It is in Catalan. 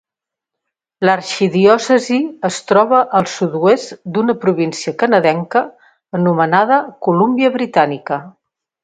L'arxidiòcesi es troba al sud-oest d'una província canadenca anomenada Colúmbia britànica.